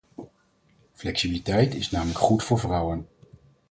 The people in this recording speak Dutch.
Flexibiliteit is namelijk goed voor vrouwen.